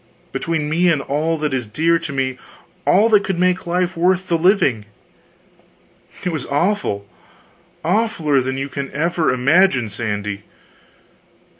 between me and all that is dear to me, all that could make life worth the living! It was awful awfuler than you can ever imagine, Sandy.